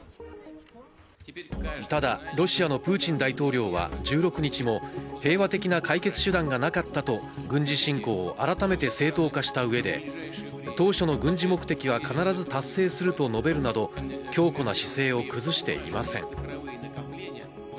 ただロシアのプーチン大統領は１６日も、平和的な解決手段がなかったと軍事侵攻を改めて正当化した上で当初の軍事目的は必ず達成すると述べるなど強固な姿勢を崩していません。